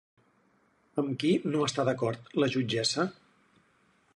Amb qui no està d'acord la jutgessa?